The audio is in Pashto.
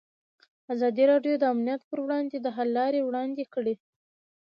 ازادي راډیو د امنیت پر وړاندې د حل لارې وړاندې کړي.